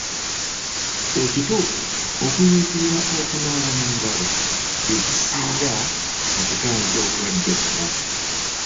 Ekituufu okunyiikirira okunaaba mu ngalo kye kisinga mu kutangira obulwadde buno.